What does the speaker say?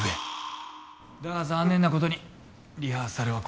だが残念なことにリハーサルはここで終了。